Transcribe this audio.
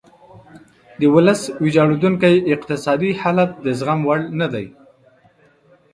د ولس ویجاړیدونکی اقتصادي حالت د زغم وړ نه دی.